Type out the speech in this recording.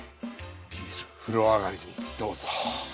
ビール風呂上がりにどうぞ！